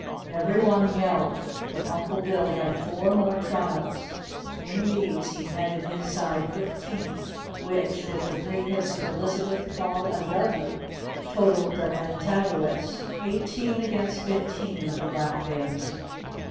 Every one yelled but Uncle Bill had four more trials. In these he netted his side fifteen, which with the three hits of Elizabeth, Paul and Dudley, totalled the Pentagoets eighteen against fifteen of the Black Bears.